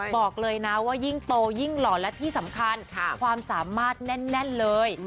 บอกเลยนะว่ายิ่งโตยิ่งหล่อและที่สำคัญความสามารถแน่นเลย